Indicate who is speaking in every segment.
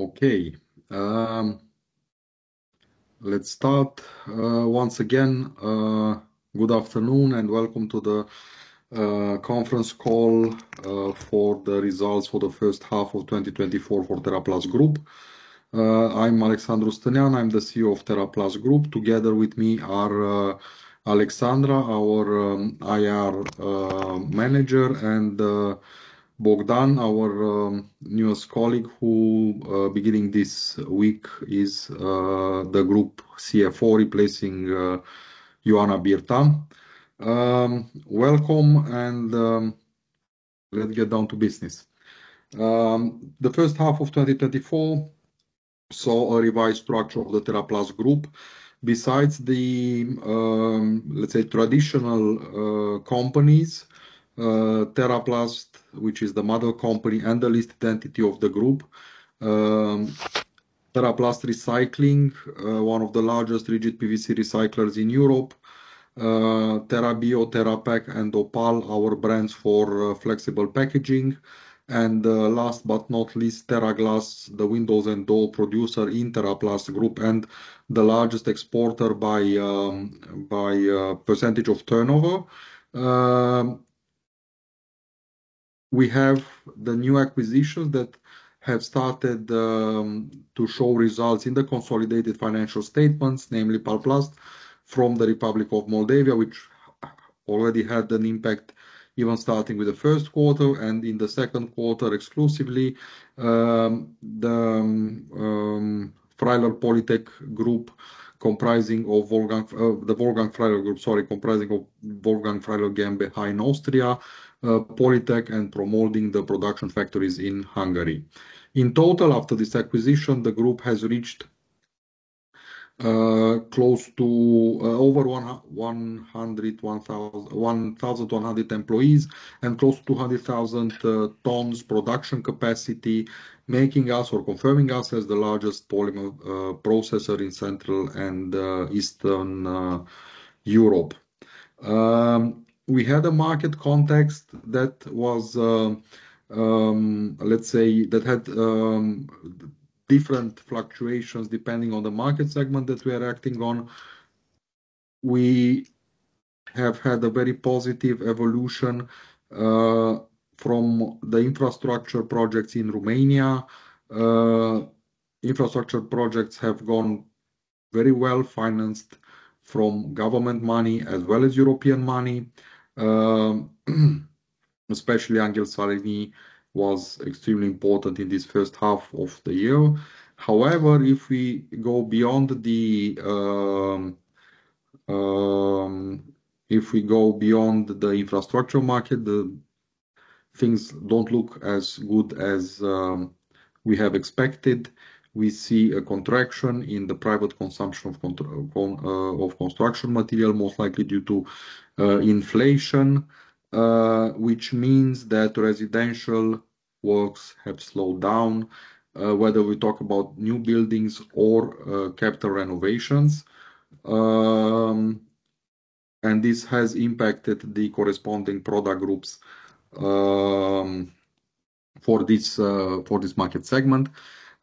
Speaker 1: Okay, let's start. Once again, good afternoon, and welcome to the conference call for the results for the first half of 2024 for TeraPlast Group. I'm Alexandru Stânean. I'm the CEO of TeraPlast Group. Together with me are Alexandra, our IR manager, and Bogdan, our newest colleague, who beginning this week is the group CFO, replacing Ioana Birta. Welcome, and let's get down to business. The first half of 2024 saw a revised structure of the TeraPlast Group. Besides the, let's say, traditional companies, TeraPlast, which is the mother company and the listed entity of the group, TeraPlast Recycling, one of the largest rigid PVC recyclers in Europe, TeraBio, TeraPack, and Opal, our brands for flexible packaging, and last but not least, TeraGlass, the windows and door producer in TeraPlast Group and the largest exporter by percentage of turnover. We have the new acquisitions that have started to show results in the consolidated financial statements, namely Palplast from the Republic of Moldova, which already had an impact, even starting with the first quarter and in the second quarter exclusively. The Freiler Polytech Group, comprising of Wolfgang... The Wolfgang Freiler Group, sorry, comprising of Wolfgang Freiler GmbH in Austria, Polytech, and Pro-Moulding the production factories in Hungary. In total, after this acquisition, the group has reached close to over 1,100 employees and close to 200,000 tons production capacity, making us or confirming us as the largest polymer processor in Central and Eastern Europe. We had a market context that was, let's say, that had different fluctuations depending on the market segment that we are acting on. We have had a very positive evolution from the infrastructure projects in Romania. Infrastructure projects have gone very well, financed from government money as well as European money. Especially Anghel Saligny was extremely important in this first half of the year. However, if we go beyond the infrastructure market, the things don't look as good as we have expected. We see a contraction in the private consumption, of construction material, most likely due to inflation, which means that residential works have slowed down, whether we talk about new buildings or capital renovations. And this has impacted the corresponding product groups for this market segment.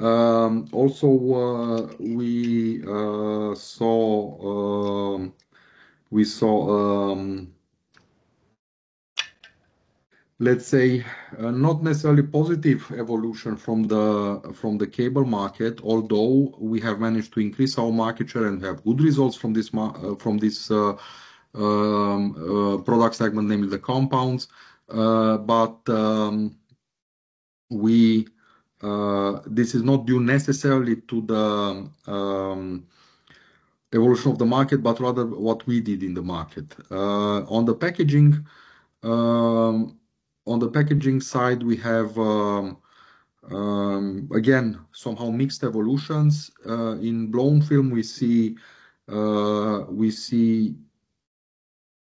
Speaker 1: Also, we saw, let's say, not necessarily positive evolution from the cable market, although we have managed to increase our market share and have good results from this product segment, namely the compounds. But this is not due necessarily to the evolution of the market, but rather what we did in the market. On the packaging side, we have again, somehow mixed evolutions. In blown film, we see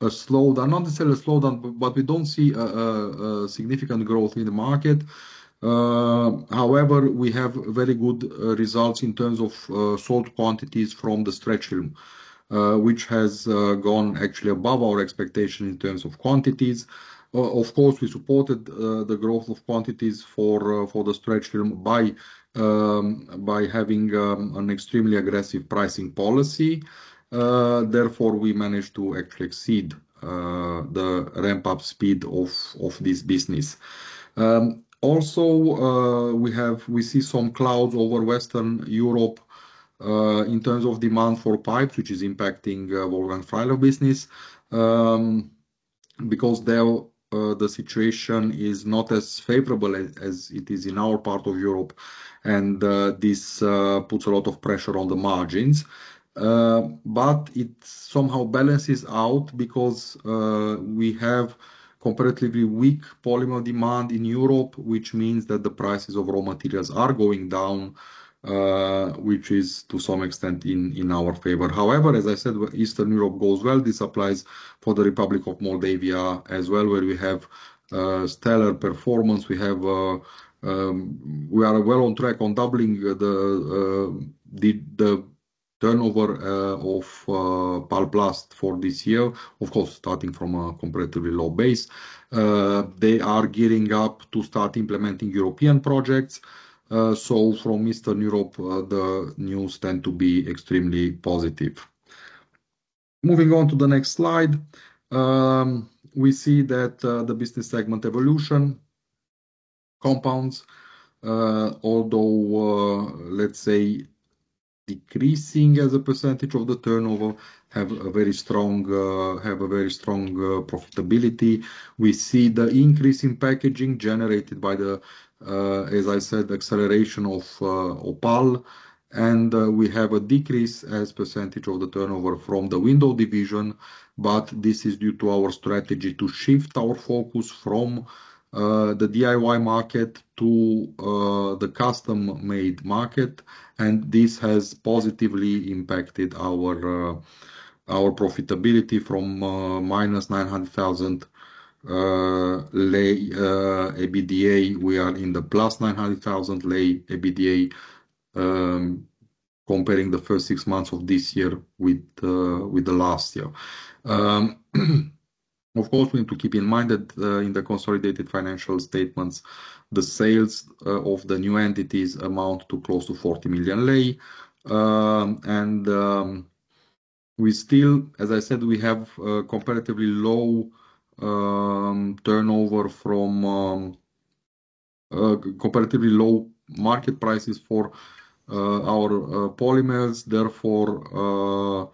Speaker 1: a slowdown, not necessarily a slowdown, but we don't see a significant growth in the market. However, we have very good results in terms of sold quantities from the stretch film, which has actually gone above our expectation in terms of quantities. Of course, we supported the growth of quantities for the stretch film by having an extremely aggressive pricing policy. Therefore, we managed to actually exceed the ramp-up speed of this business. Also, we see some clouds over Western Europe in terms of demand for pipes, which is impacting Wolfgang Freiler business because there the situation is not as favorable as it is in our part of Europe, and this puts a lot of pressure on the margins. But it somehow balances out because we have comparatively weak polymer demand in Europe, which means that the prices of raw materials are going down, which is to some extent in our favor. However, as I said, Eastern Europe goes well. This applies for the Republic of Moldova as well, where we have stellar performance. We are well on track on doubling the turnover of Palplast for this year, of course, starting from a comparatively low base. They are gearing up to start implementing European projects. So from Eastern Europe, the news tend to be extremely positive. Moving on to the next slide, we see that, the business segment evolution, compounds, although, let's say, decreasing as a percentage of the turnover, have a very strong, have a very strong, profitability. We see the increase in packaging generated by the, as I said, acceleration of, Opal, and, we have a decrease as percentage of the turnover from the window division, but this is due to our strategy to shift our focus from, the DIY market to, the custom-made market. And this has positively impacted our, our profitability from, RON -900,000, EBITDA. We are in the RON +900,000 EBITDA, comparing the first six months of this year with the last year. Of course, we need to keep in mind that in the consolidated financial statements, the sales of the new entities amount to close to RON 40 million. And we still, as I said, we have a comparatively low turnover from comparatively low market prices for our polymers. Therefore,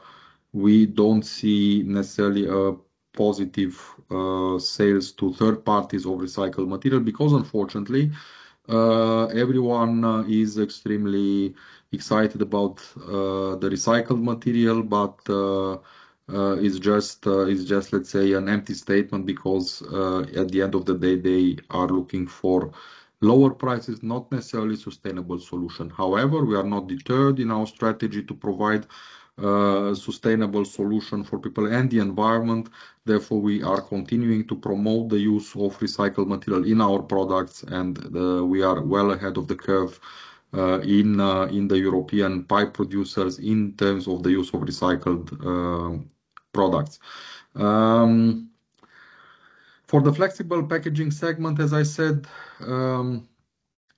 Speaker 1: we don't see necessarily a positive sales to third parties of recycled material, because unfortunately, everyone is extremely excited about the recycled material, but it's just, it's just, let's say, an empty statement because at the end of the day, they are looking for lower prices, not necessarily sustainable solution. However, we are not deterred in our strategy to provide sustainable solution for people and the environment. Therefore, we are continuing to promote the use of recycled material in our products, and we are well ahead of the curve in the European pipe producers in terms of the use of recycled products. For the flexible packaging segment, as I said,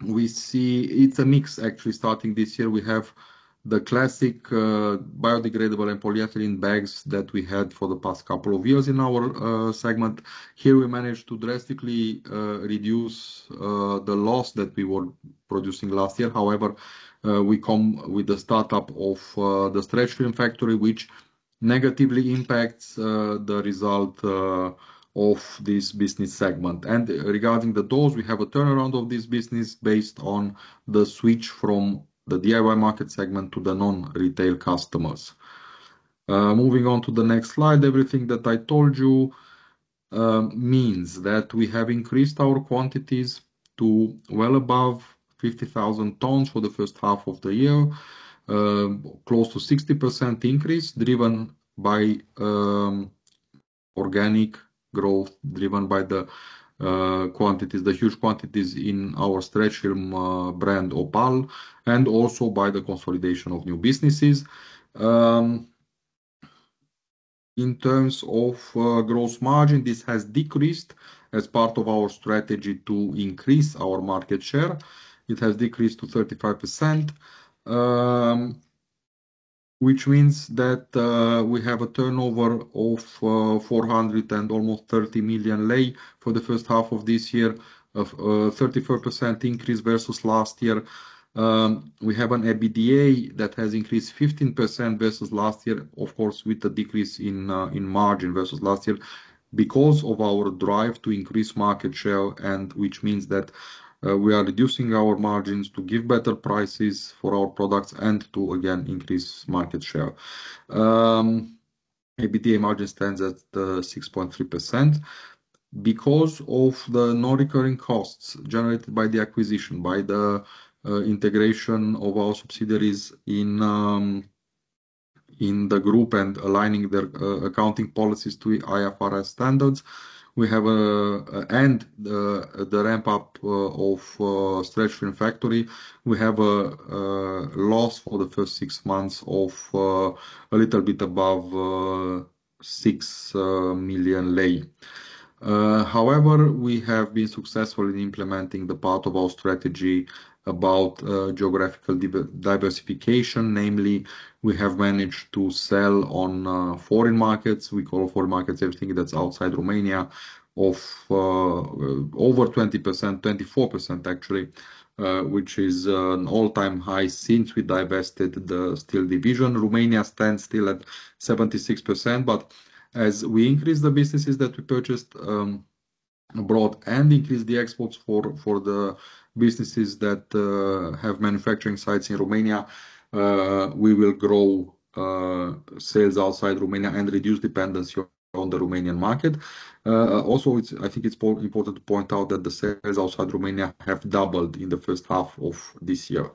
Speaker 1: we see it's a mix, actually. Starting this year, we have the classic biodegradable and polyethylene bags that we had for the past couple of years in our segment. Here, we managed to drastically reduce the loss that we were producing last year. However, we come with the startup of the stretch film factory, which negatively impacts the result of this business segment. And regarding the doors, we have a turnaround of this business based on the switch from the DIY market segment to the non-retail customers. Moving on to the next slide, everything that I told you means that we have increased our quantities to well above 50,000 tons for the first half of the year. Close to 60% increase, driven by organic growth, driven by the quantities, the huge quantities in our stretch film brand, Opal, and also by the consolidation of new businesses. In terms of gross margin, this has decreased as part of our strategy to increase our market share. It has decreased to 35%, which means that we have a turnover of almost RON 430 million for the first half of this year, of 34% increase versus last year. We have an EBITDA that has increased 15% versus last year, of course, with a decrease in margin versus last year. Because of our drive to increase market share, and which means that, we are reducing our margins to give better prices for our products and to, again, increase market share. EBITDA margin stands at, six point three percent. Because of the non-recurring costs generated by the acquisition, by the integration of our subsidiaries in the group and aligning their accounting policies to IFRS standards, we have and the ramp up of stretch film factory, we have a loss for the first six months of a little bit above six million lei. However, we have been successful in implementing the part of our strategy about geographical diversification. Namely, we have managed to sell on foreign markets, we call foreign markets everything that's outside Romania, of over 20%, 24%, actually, which is an all-time high since we divested the steel division. Romania stands still at 76%, but as we increase the businesses that we purchased abroad and increase the exports for the businesses that have manufacturing sites in Romania, we will grow sales outside Romania and reduce dependency on the Romanian market. Also, it's... I think it's more important to point out that the sales outside Romania have doubled in the first half of this year.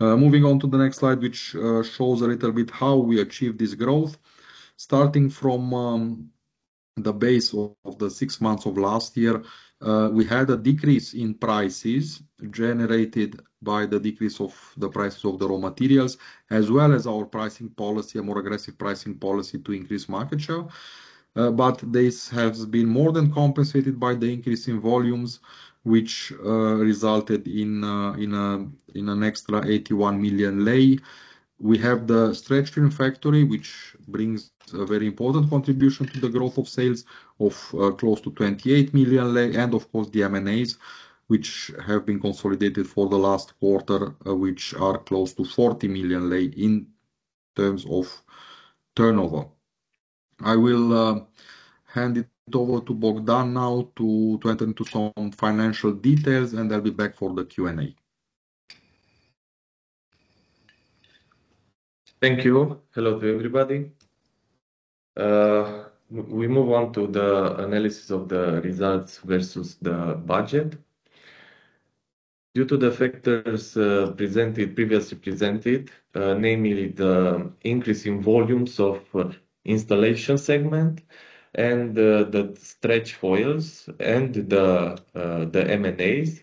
Speaker 1: Moving on to the next slide, which shows a little bit how we achieved this growth. Starting from... On the base of the six months of last year, we had a decrease in prices generated by the decrease of the prices of the raw materials, as well as our pricing policy, a more aggressive pricing policy to increase market share. But this has been more than compensated by the increase in volumes, which resulted in an extra RON 81 million. We have the stretch film factory, which brings a very important contribution to the growth of sales of close to RON 28 million, and of course, the M&As, which have been consolidated for the last quarter, which are close to RON 40 million in terms of turnover. I will hand it over to Bogdan now to enter into some financial details, and I'll be back for the Q&A.
Speaker 2: Thank you. Hello to everybody. We move on to the analysis of the results versus the budget. Due to the factors presented previously, namely the increase in volumes of installation segment and the stretch films and the M&As,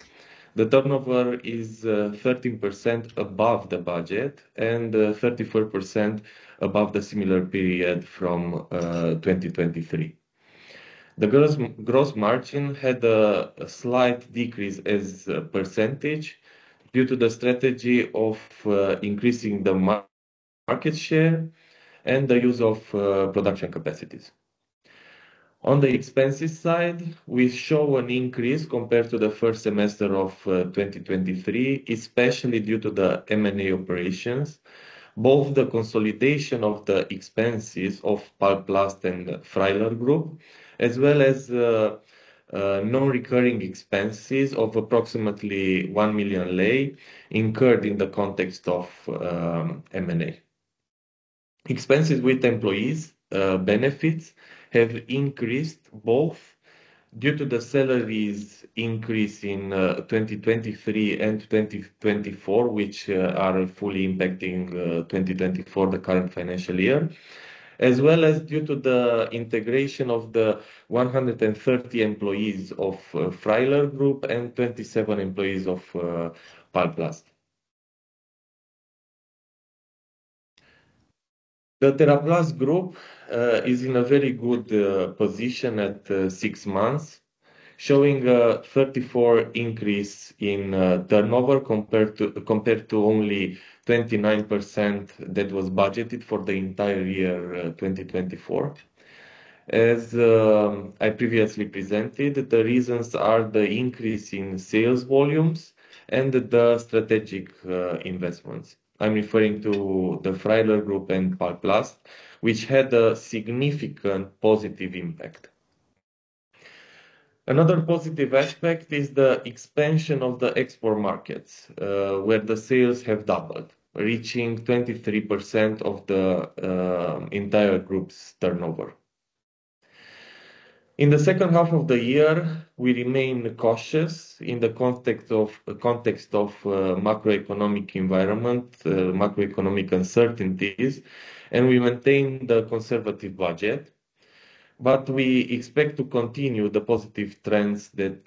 Speaker 2: the turnover is 13% above the budget and 34% above the similar period from 2023. The gross margin had a slight decrease as a percentage due to the strategy of increasing the market share and the use of production capacities. On the expenses side, we show an increase compared to the first semester of 2023, especially due to the M&A operations. Both the consolidation of the expenses of Palplast and Freiler Group, as well as non-recurring expenses of approximately RON 1 million incurred in the context of M&A. Expenses with employees' benefits have increased both due to the salaries increase in 2023 and 2024, which are fully impacting 2024, the current financial year, as well as due to the integration of the 130 employees of Freiler Group and 27 employees of Palplast. The TeraPlast Group is in a very good position at six months, showing a 34% increase in turnover compared to only 29% that was budgeted for the entire year 2024. As I previously presented, the reasons are the increase in sales volumes and the strategic investments. I'm referring to the Freiler Group and Palplast, which had a significant positive impact. Another positive aspect is the expansion of the export markets, where the sales have doubled, reaching 23% of the entire group's turnover. In the second half of the year, we remain cautious in the context of macroeconomic environment, macroeconomic uncertainties, and we maintain the conservative budget, but we expect to continue the positive trends that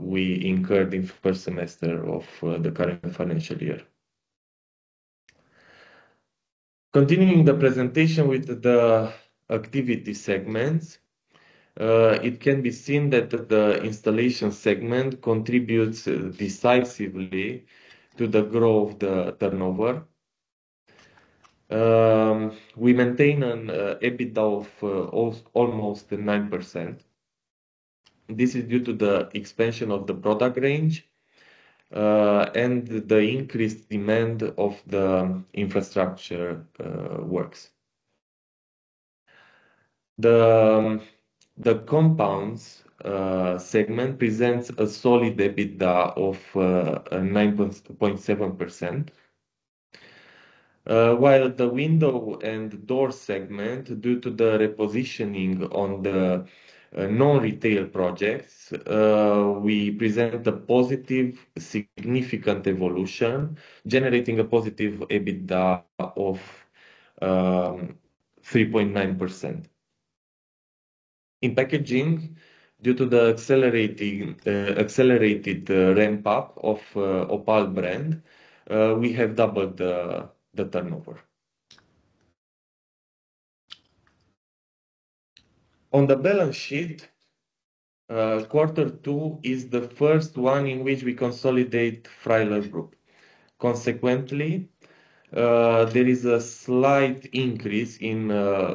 Speaker 2: we incurred in first semester of the current financial year. Continuing the presentation with the activity segments, it can be seen that the installation segment contributes decisively to the growth of the turnover. We maintain an EBITDA of almost 9%. This is due to the expansion of the product range and the increased demand of the infrastructure works. The compounds segment presents a solid EBITDA of 9.7%. While the window and door segment, due to the repositioning on the non-retail projects, we present a positive, significant evolution, generating a positive EBITDA of 3.9%. In packaging, due to the accelerated ramp up of the Opal brand, we have doubled the turnover. On the balance sheet, quarter two is the first one in which we consolidate Freiler Group. Consequently, there is a slight increase in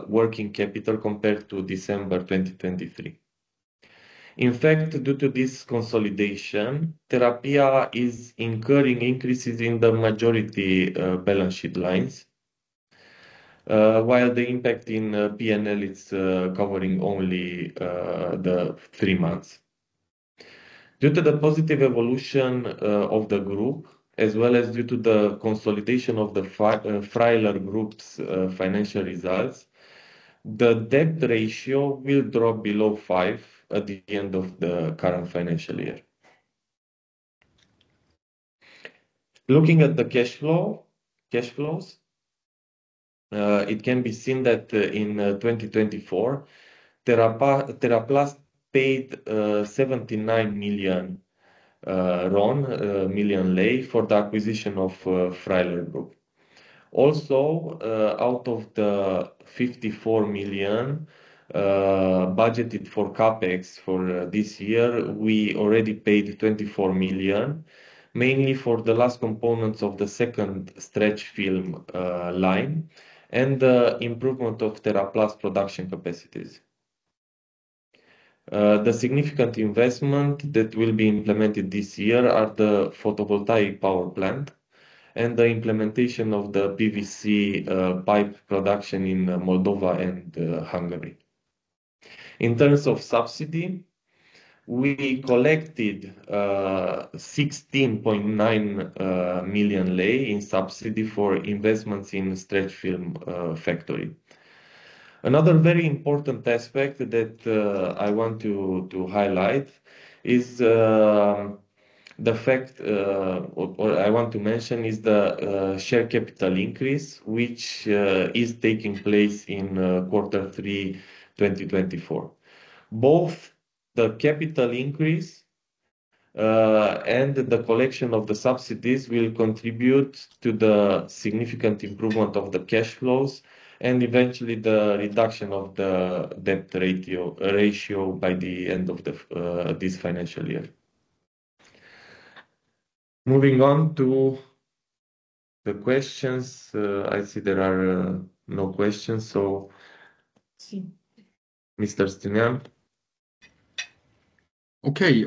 Speaker 2: working capital compared to December 2023. In fact, due to this consolidation, TeraPlast is incurring increases in the majority balance sheet lines, while the impact in P&L it's covering only the three months. Due to the positive evolution of the group, as well as due to the consolidation of the Freiler Group's financial results, the debt ratio will drop below five at the end of the current financial year. Looking at the cash flow, cash flows, it can be seen that in 2024, TeraPlast paid RON 79 million for the acquisition of Freiler Group. Also, out of the RON 54 million budgeted for CapEx for this year, we already paid RON 24 million, mainly for the last components of the second stretch film line and the improvement of TeraPlast production capacities. The significant investment that will be implemented this year are the photovoltaic power plant and the implementation of the PVC pipe production in Moldova and Hungary. In terms of subsidy, we collected RON 16.9 million in subsidy for investments in stretch film factory. Another very important aspect that I want to highlight is, or I want to mention, is the share capital increase, which is taking place in quarter three 2024. Both the capital increase and the collection of the subsidies will contribute to the significant improvement of the cash flows, and eventually the reduction of the debt ratio by the end of this financial year. Moving on to the questions. I see there are no questions, so Mr. Stânean? Okay.